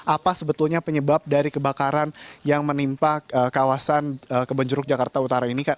apa sebetulnya penyebab dari kebakaran yang menimpa kawasan kebonjeruk jakarta utara ini